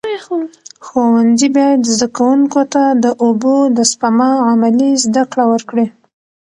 ښوونځي باید زده کوونکو ته د اوبو د سپما عملي زده کړه ورکړي.